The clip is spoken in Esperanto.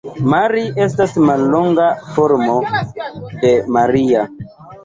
Mari estas mallonga formo de Maria.